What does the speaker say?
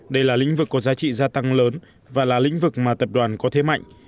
đây là lĩnh vực có giá trị gia tăng lớn và là lĩnh vực mà tập đoàn có thế mạnh